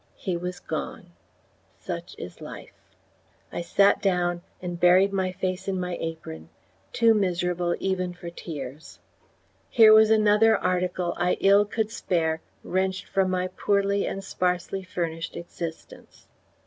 He was gone. Such is life. I sat down and buried my face in my apron, too miserable even for tears. Here was another article I ill could spare wrenched from my poorly and sparsely furnished existence.